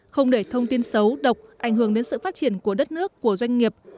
không để thông tin xấu độc ảnh hưởng đến sự phát triển của đất nước của doanh nghiệp